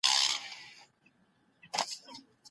انصاف کول د خلیفه لومړنۍ دنده وه.